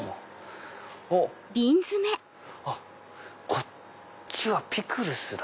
こっちはピクルスだ。